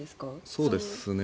そうですね。